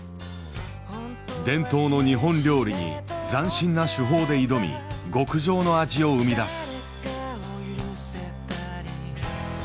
伝統の日本料理に斬新な手法で挑み極上の味を生み出す。